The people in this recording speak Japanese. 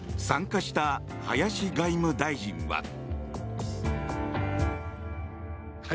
参加した林外務大臣は。